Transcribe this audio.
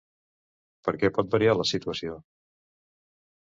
Per què pot variar la situació?